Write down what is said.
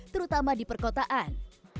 terutama di perkotaan